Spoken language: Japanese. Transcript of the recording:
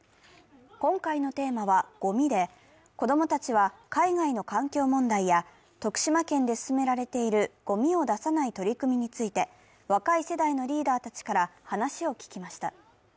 今回のテーマは「ごみ」で、子供たちは海外の環境問題や徳島県で進められている、ごみを出さない取り組みについて、若い世代のリーダーたちから話を聞きました。